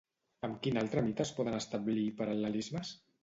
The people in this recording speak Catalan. Amb quin altre mite es poden establir paral·lelismes?